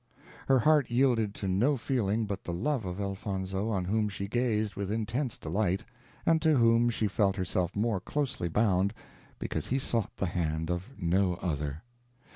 Her heart yielded to no feeling but the love of Elfonzo, on whom she gazed with intense delight, and to whom she felt herself more closely bound, because he sought the hand of no other.